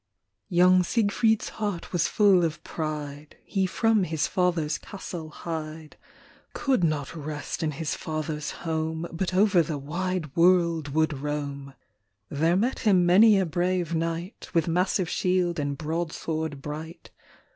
Young Siegfried^s heart was full of pride : He from his father s castle hied ; Could not rest in his father's home. But over the wide world would roam. There met him many a brave knight, With massive shield and broadsword bright.